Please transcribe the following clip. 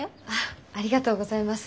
ありがとうございます。